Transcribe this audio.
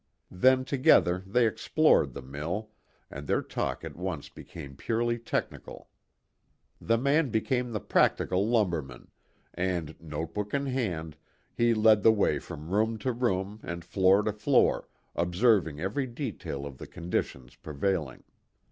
Then together they explored the mill, and their talk at once became purely technical. The man became the practical lumberman, and, note book in hand, he led the way from room to room and floor to floor, observing every detail of the conditions prevailing.